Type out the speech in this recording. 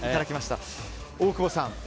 大久保さん。